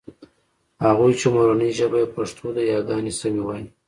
هغوی چې مورنۍ ژبه يې پښتو ده یاګانې سمې وايي